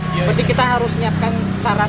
jadi kita harus menyiapkan saran